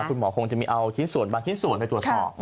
คุณหมอคงจะมีเอาชิ้นส่วนบางชิ้นส่วนไปตรวจสอบ